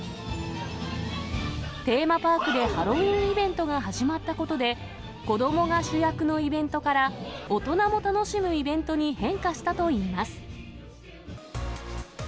テーマパークでハロウィーンイベントが始まったことで、子どもが主役のイベントから、大人も楽しむイベントに変化したといいます。